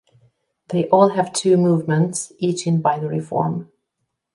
They all have two movements, each in binary form.